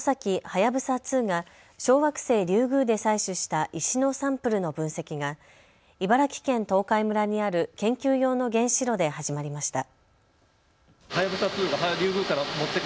はやぶさ２が小惑星リュウグウで採取した石のサンプルの分析が茨城県東海村にある研究用の原子炉で始まりました。